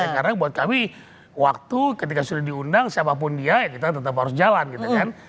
karena buat kami waktu ketika sudah diundang siapapun dia ya kita tetap harus jalan gitu kan